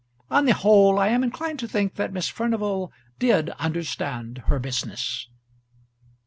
On the whole I am inclined to think that Miss Furnival did understand her business.